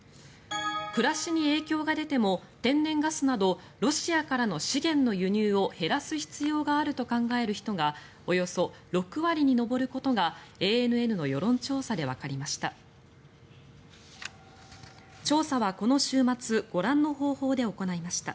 暮らしに影響が出ても天然ガスなどロシアからの資源の輸入を減らす必要があると考える人がおよそ６割に上ることがＡＮＮの世論調査でわかりました。